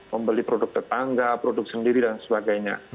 membeli produk tetangga produk sendiri dan sebagainya